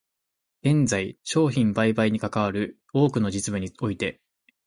現在、商品売買にかかる多くの実務において、